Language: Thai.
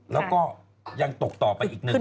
แล้วก็ยังตกต่อไปอีกหนึ่ง